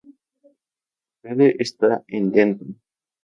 Su sede está en Denton.